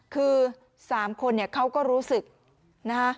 คือ๓คนเขาก็รู้สึกนะ